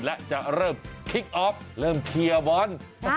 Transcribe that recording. และจะเริ่มคิกออฟกันเริ่มเทียร์วอน